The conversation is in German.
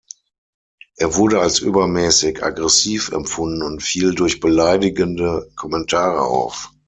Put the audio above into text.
Er wurde als übermäßig aggressiv empfunden und fiel durch beleidigende Kommentare auf.